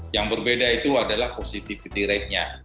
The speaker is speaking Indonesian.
yang berbeda itu adalah positivity ratenya